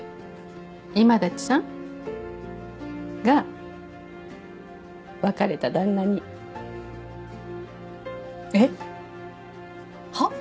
今立さんが別れた旦那にえっ？はっ？